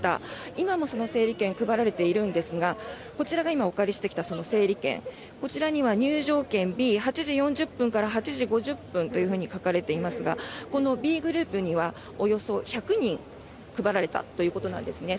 今もその整理券配られているんですがこちらが今、お借りしてきたその整理券入場券Ｂ８時４０分から８時５０分と書かれていますがこのＢグループにはおよそ１００人配られたということなんですね。